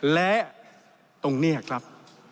และตรงนี้ครับ